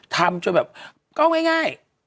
ทำจึงแบบแก้ง่าย